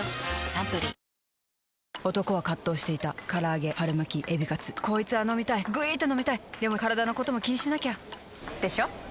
サントリー男は葛藤していた唐揚げ春巻きエビカツこいつぁ飲みたいぐいーーっと飲みたいでもカラダのことも気にしなきゃ！でしょ？